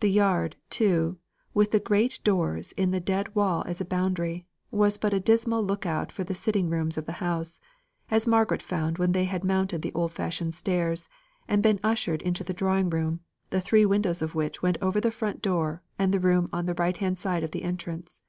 The yard, too, with the great doors in the dead wall as a boundary, was but a dismal look out for the sitting rooms of the house as Margaret found when they had mounted the old fashioned stairs, and been ushered into the drawing room, the three windows of which went over the front door and the room on the right hand side of the entrance.